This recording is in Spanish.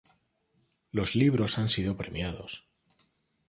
Los libros han sido premiados.